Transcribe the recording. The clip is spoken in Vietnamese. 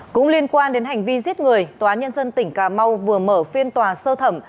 cũng liên quan đến hành vi giết người tòa nhân dân tỉnh cà mau vừa mở phiên tòa sơ thẩm